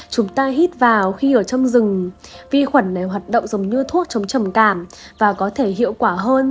chúng ta hít vào khi ở trong rừng vi khuẩn này hoạt động giống như thuốc chống trầm cảm và có thể hiệu quả hơn